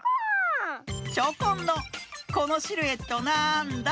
チョコンの「このシルエットなんだ？」